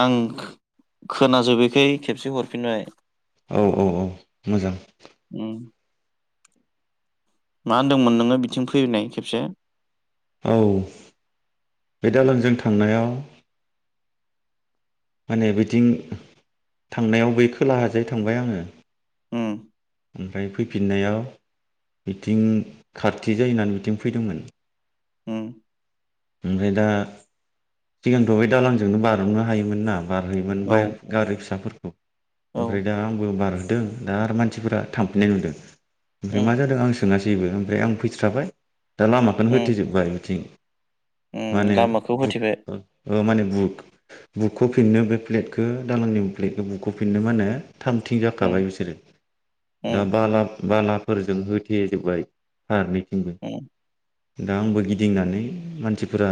आं खोनाजोबैखाय खेबसे हरफिनबाय। औ औ औ मोजां उम मा होनदोंमोन नोङो बिथिं फैनाय खेबसे औ बे दालांजों थांनायाव माने बिथिं थांनायाव बै खोलाहाजै थांबाय आङो उम ओमफ्राय फैफिननायाव बिथिं खाथि जायो होननानै बिथिं फैदोंमोन। उम ओमफ्राय दा सिगांथ' बे दालांजोंनो बारनो हायोमोन ना। बारहोयोमोन औ बाइक गारि फिसाफोरखौ। [unintelligible] औ ओमफ्राय दा आंबो बार दों दा आरो मानसिफोरा थांफिननाय नुदों। ओमफ्राय उम मा जादों आं सोंयासैबो ओमफ्राय आं फैस्राबाय दा लामाखौनो उम होथेजोबबाय बेथिं लामाखौ होथेबाय। माने बुखु बुखुफिन्नो बे प्लेटखौ दालांनि प्लेटखौ बुखुफिन्नो फिननो मा‌ होनो थाम‌ थिम उम जाखाबाय बिसोरो दा उम बाला बाला फोरजों होथे जोब्बाय फारनैथिंबो उम दा आंबो गिदिंनानै मानसिफोरा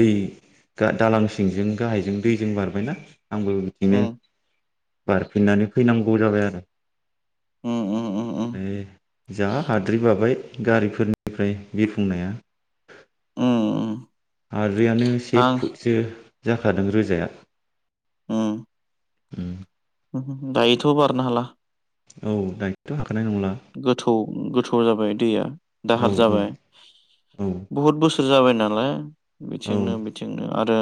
दै दा दालां सिंजों गाहायजों दैजों बारबायना आंबो बिदिनो उम बारफिननानै फैनांगौ जाबाय आरो उम उम उम उम ओमफ्राय जा हाद्रि बाबाय गारिफोरनिफ्राय बिरफुंनाया। उम उम आरो दैयानो से आं फुटसो जाखादों रोजाया। अम अम दायोथ' बारनो हाला औ दायोथ' हाखानाय नंला गोथौ गोथौ जाबाय दैया औ दाहार जाबाय औ बुहुद बो थोर जाबाय नालाय औ बिथिंनो बिथिंनो आरो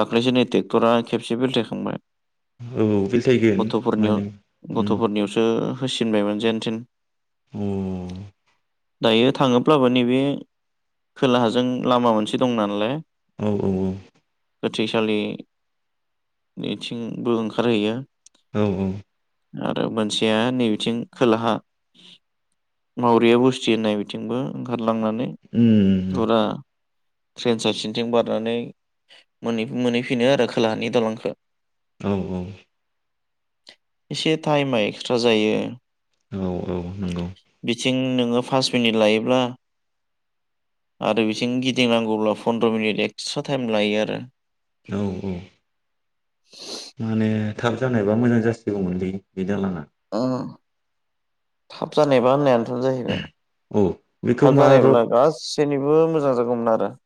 दाख्लैसो नै ट्रेक्टरा खेबसे बेलथायखांबाय। औ बेलथायगोन गथ'फोरनियाव माने थिनबायमोन जेनथेन अम दायो थाङोब्लाबो नैबे खोलाहाजों लामा मोनसे दं नालाय औ औ औ गोथैसालिनिथिंबो ओंखारहैयो औ औ आरो मोनसेया नै बिथिं खोलाहा मावरिया बस्थि होननाय बिथिंबो ओंखा रलांनानै उम जुरा ट्रेन सेसिनथिं बारनानै मोनै-मोनहैफिनो आरो खोलाहानि दलंखो औ औ एसे टाइमा एक्सट्रा जायो। औ औ नंगौ ङो फासट मिनिट लायोब्ला आरो बिथिं गिदिंनांगौब्ला फनद्र मिनिट एक्सट्रा टाइम लायो आरो। औ औ [inaudible] माने थाब जानायबा मोजां जासिगौमोनलै बिनो दालाङा ओ थाब जानायबा होननाया जाहैबाय औ बेखौ थाब मा रड जानायब्ला गासैनिबो मोजां जागौमोन आ [unintelligible]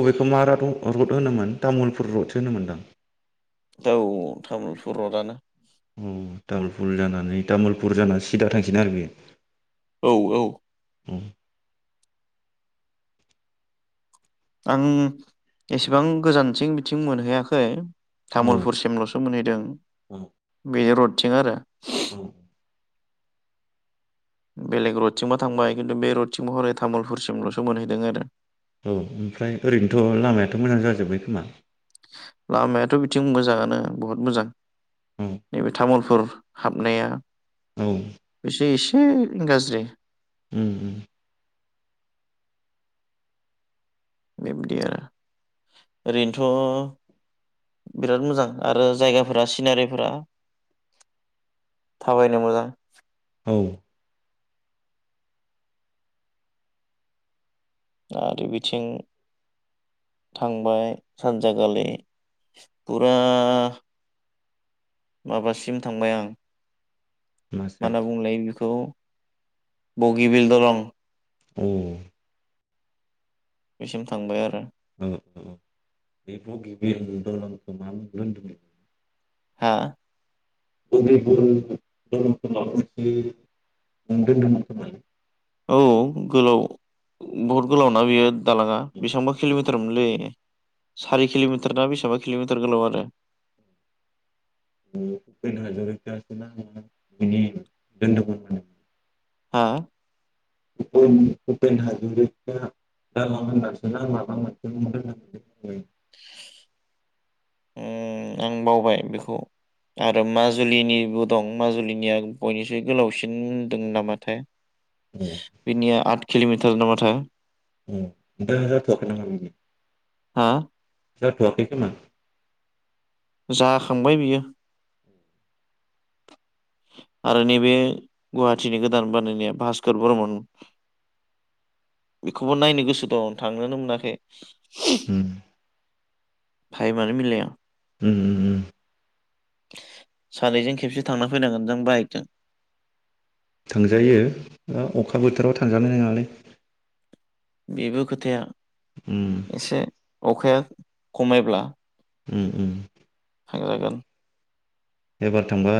अबेखौ मा रड रड होनोमोन तामुलपुर रडसो होनोमोनदां औ तामुलपुर रडानो औ तामुलपुर जानानै तामुलपुर जानानै सिदा थांसोन आरो बेयो औ औ अम आं एसेबां गोजानथिं बिथिं मोनहैयाखै औ तामुलपुरसिमलसो मोनहैदों बे रड बिथिं आरो औ बेलेग रडथिमबा थांबाय खिन्थु बे रडथिम महरै तामुलपुरसिमलसो मोनहैदों आरो। औ ओमफ्राय ओरैनोथ लामायाथ मोजां जाजोब्बाय खोमा। लामायाथ बिथिं मोजाङानो बहुद मोजां औ नैबे तामुलपुर हाबनाया औ ए-एसे गाज्रि उम उम। बेबदि आरो ओरैनोथ बिराद मोजां आरो जायगाफोरा सिनारिफोरा थाबायनो मोजां। औ। आरो बिथिं थांबाय सानज गालि फुरा माबासिम थांबाय आं। मा मासेब होनना बुंलाय बेखौ। बगि बिल दलं उम। बेसिम थांबाय आरो। [unintelligible] हा। [unintelligible] औ गोलाव बहुद गोलावना बियो। दालाङा बेसेबांबा किल'मिटारमोनलै सारि किल'मिटार ना बेसेबा किल'मिटार गोलाव आरो। [unintelligible] हा। [unintelligible] उम आं बावबाय बेखौ आरो माजुलिनिबो दं माजुलिनिया बयनिस्रुइ गोलावसिन होनदों नामाथाय। औ बिनि आ। किल'मिटार नामा थाय। उम दा जाथ'वाखै नामा बिदि। हा। जथवाखै खोमा। जाखांबाय बियो। आरो नैबे गुहाटिनि गोदान बानायनाया भास्कर बर्मन बेखौबो नायनो गोसो दं थांनोनो मोनाखै उम। टाइमानो मिलाया उम उम उम। सानैजों खेबसे थांना फैनांगोन जों बाइकजों थांजायो अखा बोथोराव थांजानाय नोङालै! बेबो खोथाया। उम एसे अखाया। खमायब्ला। उम उम। थांजागोन। एबार थांबा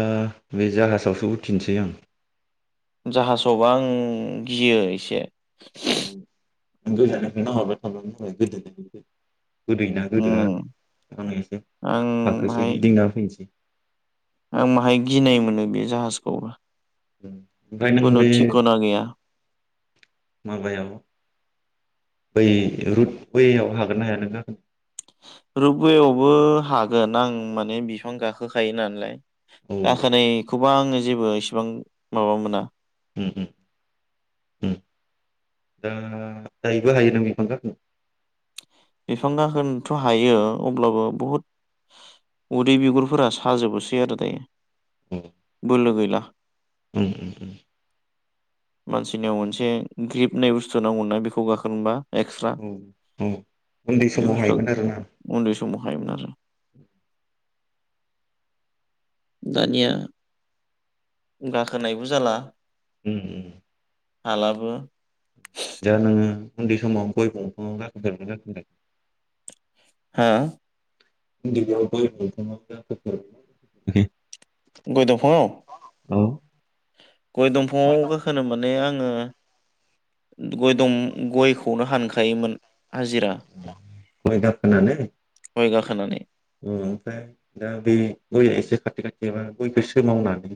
बे जाहाजावसो उथिनसै आं। जाहाजावबा आं गियो एसे गोजाननिफ्राय नाहरबाय थाबानो जाबाय गोदोननिफ्राय गोदोयो ना गोदोआ उम थांनायसै आं फाखोसे बाहाय गिदिंना फैनोसै आं माहाय गिनाय मोनो बे जाहाजखौबो! ओमफाय नों खुनु बे थिखना गैया माबायाव बै रुट बैयाव हागोन ना हाया नो गाखोनो। रपवेयावबो हागोन आं माने बिफां गाखोखायो नालाय औ गाखोनायखौबा आङो जेबो इसेबां माबा मोना उम उम उम दा दायोबो हायो नों बिफां गाखो बिफां गाखोनो थ' हायो अब्लाबो बहुद उदै बिगुरफोरा साजोबोसै आरो दायो औ बोलो गैला उम मानसिनियाव मोनसे ग्रिब होननाय बुस्थु नांगौना बेखौ गाखोनोबा एक्सट्रा औ औ उन्दै समाव हायोमोन आरोना सम हायो मोन आरो दानिया गाखोनायबो जाला उम हालाबो दा नोङो उन्दै समाव गय बिफांयाव गाखोफेरदों ना गाखो फेराखै हा [unintelligible] गय दंफांङाव औ गय दंफाङाव गाखोनो माने आङो गय दं गयखौनो हानखायोमोन हाजिरा गय गाखो नानै गय गाखोनानै ओमफ्राय दा बे गयया एसे खा खाथि खाथिबा गयखौसो मावनानै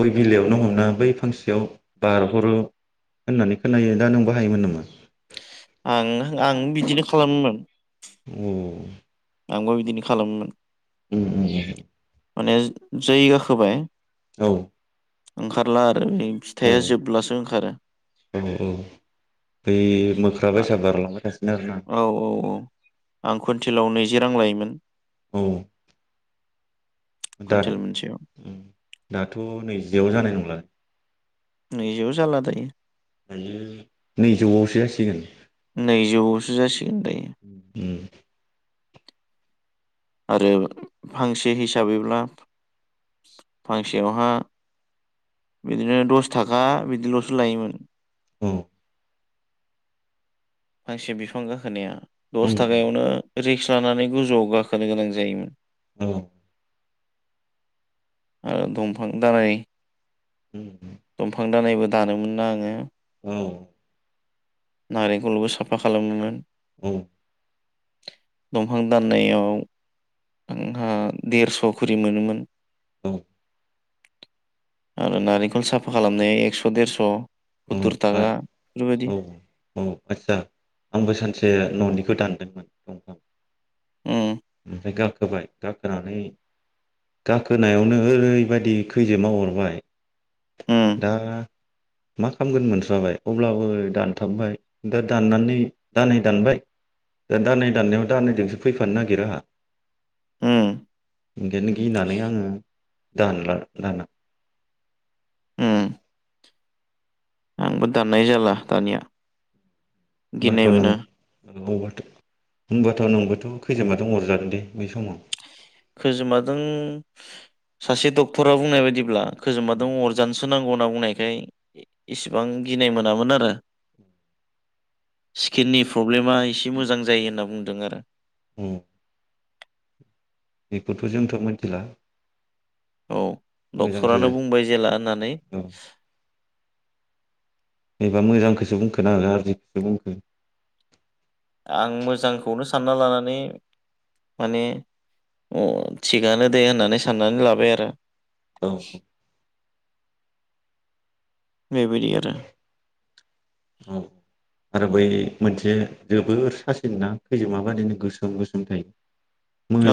गय बिलाइयावनो हमना बै फांसेयाव बारहरो होननानै खोनायो दा नों बो हायोमोन नामा? आं आं बिदिनो खालामोमोन औ आंबो बिदिनो खालामोमोन उम उम माने जै गाखोबाय औ ओंखारला आरो बे औ फिथाइया जोबब्लासो ओंखारो औ औ बै आ- मोख्राबायसा बारलांबाय थासि औ औ औ आं कुन्टिलाव नैजि रां लायोमोन औ दा कुइन्टेल मोनसेयाव दाथ' नैजि जेयाव जानाय नंला नै जियाव जाला दायो। दायो नैजौआवसो जासिगोन नैजौसो जासिगोन दायो उम आरो फांसे हिसाबैब्ला फांसेयावहा बिदिनो दस थाखा बिदिल'सो लायोमोन। औ फांसे बिफां गाखो नाया उम दस थाखायावनो रिक्स लानानै गोजौआव गाखोनो गोनां जायोमोन औ ओ दफां दानाय उम दंफां दानायबो दानोमोन ना आङो औ नारें खलबो साफा खालामदोंमोन। औ दंफां दाननायाव आंहा देरस' खरि मोनोमोन आरो नारेंखल साफा खालामनायाव एकस' देरस' औ सुततुर आ थाखा औ बेफोरबायदि औ आच्छा आंबो सानसे न'निखौ दानदोंमोन दंफां। उम ओमफ्राय गा रबाय गाखोनानै गाखोनायावनो ओरैबायदि खैजेमा अरबाय उम दा मा खालामगोन मोनस्राबाय अब्लाबो दानथाबबाय दा दाननानै दानाय दानबाय दा दानाय दाननायाव दानैजोंसो फैफानो नागिरो आंहा उम ओंखायनो गिना नाने आङो दानला दाना हम आंबो दाननाय जाला दानिया [unintelligible] गिनाय मोनो खैजोमा दं अरजादों दे बै समाव। खोजोमादों सासे डक्टरा बुंनाय बायदिब्ला खोजोमबाादों अरजानो सो नांगौ नांगौ होनना बुंनायखाय इसेबां गिनाय मोनामोन आरो स्किननि प्रब ब्लेमा एसे मोजां जायो होनना बुङो दों आरो हम बेखौथ' जोंथ' मिथिला। औ मोजांसो डक्टरानो बुंबाय जेला होननानै औ एबा मोजांखौसो बुंखो ना गाज्रिखौसो बुंखो? आं मोजांखौनो सानना लानानै माने अ थिगानो दे होननानै साननानै लाबाय आरो। औ बेबायदि आरो। औ आरो बै मोनसे जोबोर सासिनो ना खैजोमा बादिनो गोसोम गोसोम थायो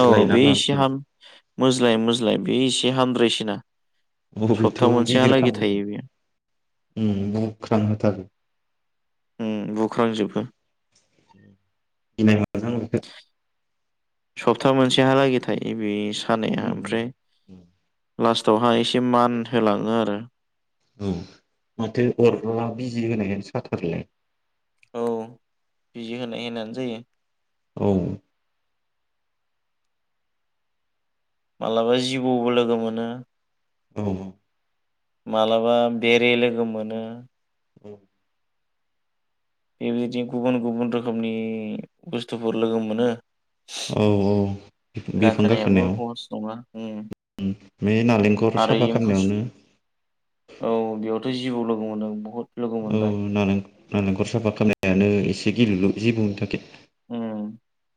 औ ना मा बुङो बेसहाम मोज्लाय मोज्लाय बे एसे हामद्रायसिना सप्ता अबेथ' गिदिर मोनसेहालागै खालामो थायो बेयो उम बुख्रां होथारो। उम बुख्रांजोबो गिनाय मोनो था मोनसेहालागै थायो बेयो उम लास्टावहाय एसे मान होलाङो आरो औ माथो अरब्ला बिजि होनायानो साथारोलाय। औ बिजि होनाय होनानो जायो। औ। मालाबा जिबौबो लोगो मोनो औ। मालाबा बेरे लोगो मोनो। औ। बेबायदि गुबुन गुबुन रोखोमनि बुस्थुफोर लोगो मोनो। औ औ बिफां गाखोनायाबो गाखोनोनायाव हहस नङा उम बे नालेंखर आरो साफा एम्फौ सु खालामनायावनो औ बेयावथ' जिबौ लोगो मोनो बुहत औ नालें नालेंखर साफा खालामनायानो एसे गिलु लु जिबौनि थाखाय। ओम।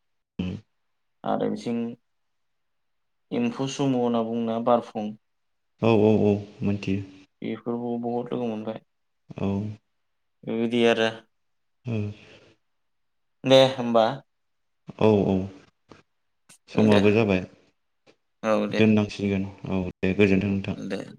[inaudible] आरो बिथिं एम्फौ सुमु होनना बुंना बारफुं औ औ औ मोनथियो। [unintelligible] औ। ओइदि आरो। ओ दे होमबा। औ औ। दे समाबो जाबाय औ दे दोननांसिगोन। औ। दे गोजोन्थों नोंथां। दे